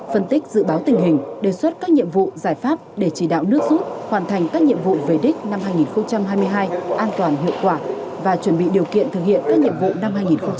phân tích dự báo tình hình đề xuất các nhiệm vụ giải pháp để chỉ đạo nước rút hoàn thành các nhiệm vụ về đích năm hai nghìn hai mươi hai an toàn hiệu quả và chuẩn bị điều kiện thực hiện các nhiệm vụ năm hai nghìn hai mươi bốn